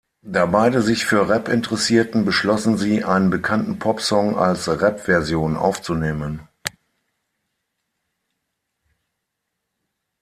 Da beide sich für Rap interessierten, beschlossen sie, einen bekannten Popsong als Rap-Version aufzunehmen.